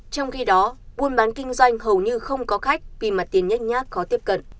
trong khi đó buôn bán kinh doanh hầu như không có khách vì mặt tiền nhách nhác khó tiếp cận